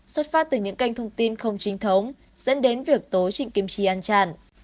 xuất phát từ những canh thông tin không chính thống dẫn đến việc tố trịnh kim chi ăn chạn